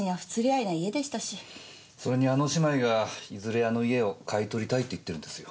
それにあの姉妹がいずれあの家を買い取りたいって言ってるんですよ。